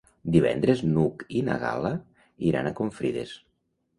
Divendres n'Hug i na Gal·la iran a Confrides.